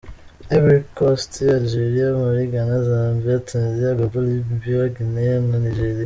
Ivory Coast, Algeria, Mali, Ghana, Zambia, Tunisia, Gabon, Libya, Guinea na Nigeria.